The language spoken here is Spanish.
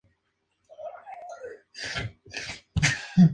Sus sucesores no reconocieron está soberanía feudal.